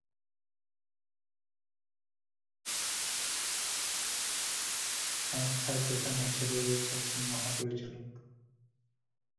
সংস্থার প্রধান হিসেবে রয়েছেন একজন মহা-পরিচালক।